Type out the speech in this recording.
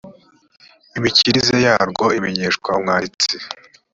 imikirize yarwo imenyeshwa umwanditsi